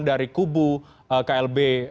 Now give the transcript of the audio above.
dari kubu klb